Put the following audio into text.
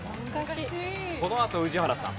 このあと宇治原さん。